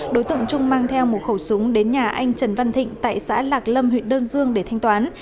đối tượng trung mang theo một khẩu súng đến nhà anh trần văn thịnh tại xã lạc lâm huyện đơn dương để thanh toán